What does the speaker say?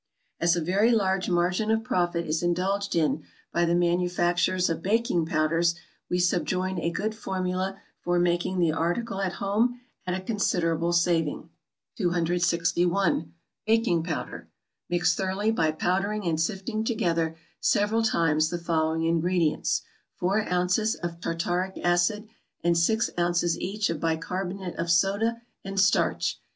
As a very large margin of profit is indulged in by the manufacturers of baking powders, we subjoin a good formula for making the article at home at a considerable saving. 261. =Baking Powder.= Mix thoroughly by powdering and sifting together several times the following ingredients; four ounces of tartaric acid, and six ounces each of bi carbonate of soda, and starch.